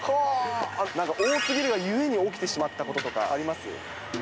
なんか大きすぎるがゆえに起きてしまったこととかありますか。